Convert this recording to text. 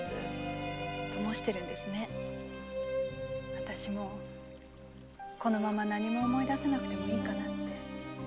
あたしもこのまま何も思い出さなくてもいいかなって。